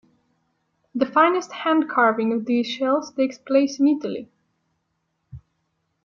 The finest hand-carving of these shells takes place in Italy.